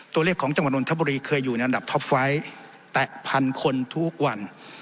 ตัวเลขของจังหวัดนทบุรีเคยอยู่ในอันดับท็อปไฟต์แตะพันคนทุกวัน